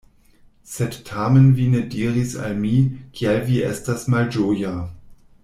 Sed tamen vi ne diris al mi, kial vi estas malĝoja.